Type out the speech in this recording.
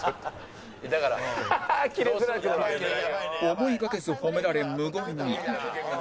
思いがけず褒められ無言に